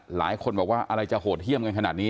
หลายคนบอกว่าอะไรจะโหดเยี่ยมกันขนาดนี้